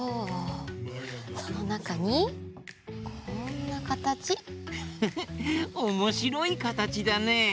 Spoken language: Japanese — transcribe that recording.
このなかにこんなかたち。フフッおもしろいかたちだね。